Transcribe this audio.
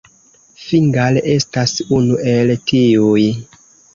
Fingal estas unu el tiuj.